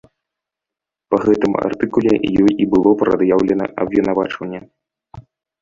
Па гэтым артыкуле ёй і было прад'яўлена абвінавачванне.